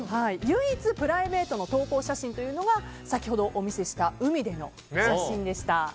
唯一プライベートでの投稿写真が先ほどお見せした海での写真でした。